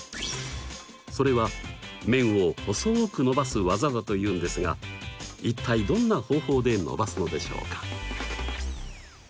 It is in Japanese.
それは麺を細く伸ばす技だというんですが一体どんな方法で伸ばすのでしょうか？